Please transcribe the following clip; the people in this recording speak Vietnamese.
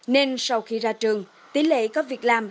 nên sau khi ra trường tỷ lệ có việc làm